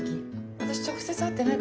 私直接会ってないから。